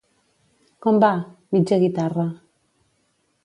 Com va? Mitja guitarra.